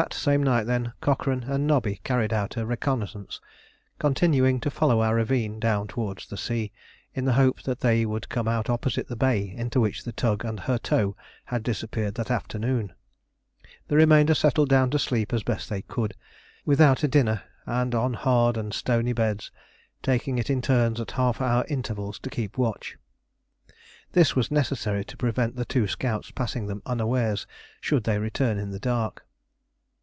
That same night, then, Cochrane and Nobby carried out a reconnaissance, continuing to follow our ravine down towards the sea, in the hope that they would come out opposite the bay into which the tug and her tow had disappeared that afternoon. The remainder settled down to sleep as best they could, without a dinner and on hard and stony beds, taking it in turns at half hour intervals to keep watch. This was necessary to prevent the two scouts passing them unawares should they return in the dark.